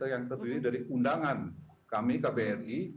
yang terdiri dari undangan kami ke bri